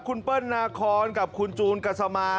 คุณเปิ้ลนาคอนกับคุณจูนกัสมา